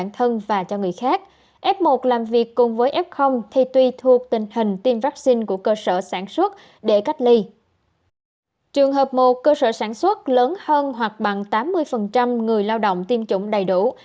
trường hợp một cơ sở sản xuất lớn hơn hoặc bằng tám mươi người lao động tiêm chủng đầy đủ